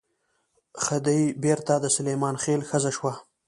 خدۍ بېرته د سلیمان خېل ښځه شوه.